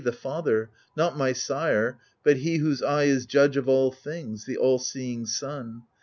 The father — not my sire, but he whose eye Is judge of all things, the all seeing Sun